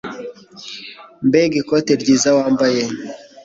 Mbega ikote ryiza wambaye!